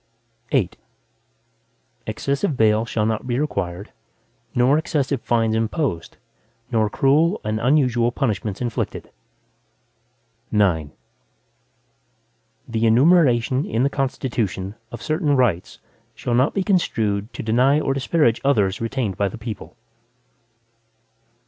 VIII Excessive bail shall not be required nor excessive fines imposed, nor cruel and unusual punishments inflicted. IX The enumeration in the Constitution, of certain rights, shall not be construed to deny or disparage others retained by the people.